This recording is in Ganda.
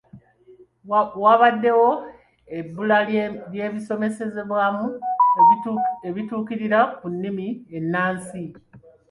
Wabaddewo ebbula ly’ebisomeserezebwamu ebituukira ku nnimi ennansi.